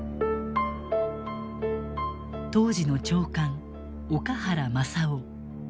当時の長官岡原昌男。